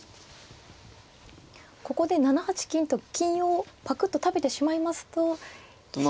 ここで７八金と金をパクッと食べてしまいますと飛車が。